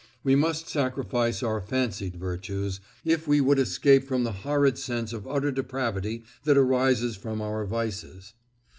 We must sacrifice our fancied virtues, if we would escape from the horrid sense of utter depravity that arises from our vices.